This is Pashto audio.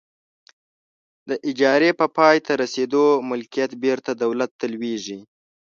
د اجارې په پای ته رسیدو ملکیت بیرته دولت ته لویږي.